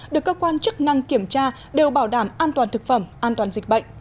được cơ quan chức năng kiểm tra đều bảo đảm an toàn thực phẩm an toàn dịch bệnh